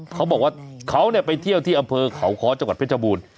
เขาบอกว่าเขาไปเที่ยวที่อำเภอเขาค้อจังหวัดเพชรบูรณ์